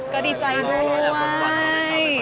ก็ดีใจด้วย